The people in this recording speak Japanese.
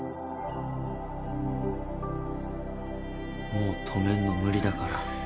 もう止めんの無理だから。